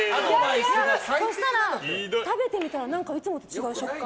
そしたら、食べてみたらいつもと違う食感。